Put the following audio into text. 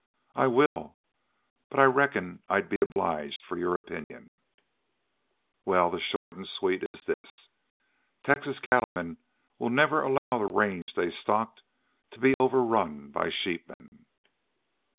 "I will. But I reckon I'd be obliged for your opinion." "Wal, short an' sweet it's this: Texas cattlemen will never allow the range they stocked to be overrun by sheepmen."